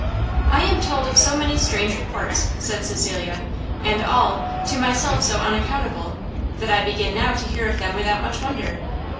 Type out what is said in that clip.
"I am told of so many strange reports," said Cecilia, "and all, to myself so unaccountable, that I begin now to hear of them without much wonder."